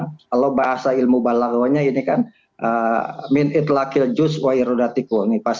kalau bahasa ilmu balagonya ini kan